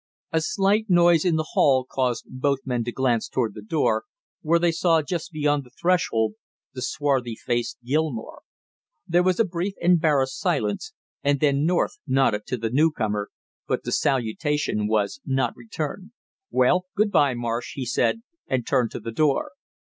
A slight noise in the hall caused both men to glance toward the door, where they saw just beyond the threshold the swarthy faced Gilmore. There was a brief embarrassed silence, and then North nodded to the new comer, but the salutation was not returned. "Well, good by, Marsh!" he said, and turned to the door.